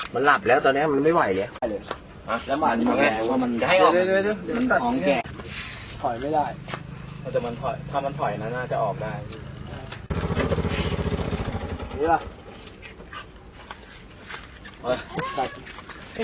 มันจะให้ออกถ้ามันถอยน่าน่าจะออกได้